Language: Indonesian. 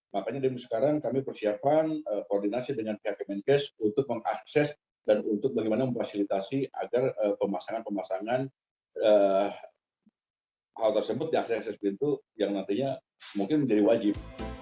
makanya sekarang kami persiapan koordinasi dengan pihak kemenkes untuk mengakses dan untuk bagaimana memfasilitasi agar pemasangan pemasangan hal tersebut di akses akses pintu yang nantinya mungkin menjadi wajib